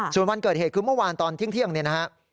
ส่วนวันเกิดเหตุคือเมื่อวานตอนเที่ยงเนี่ยนะฮะ